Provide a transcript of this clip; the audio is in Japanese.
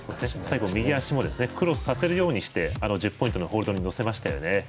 最後、右足をクロスさせるようにして１０ポイントのホールドに乗せましたよね。